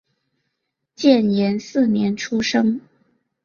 建炎四年出生。